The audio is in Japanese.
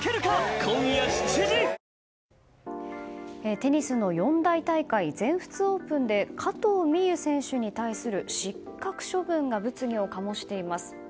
テニスの四大大会全仏オープンで加藤未唯選手に対する失格処分が物議を醸しています。